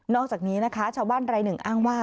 อกจากนี้นะคะชาวบ้านรายหนึ่งอ้างว่า